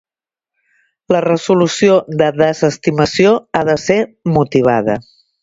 La resolució de desestimació ha de ser motivada.